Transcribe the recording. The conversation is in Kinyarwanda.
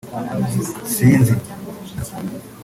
Sinzi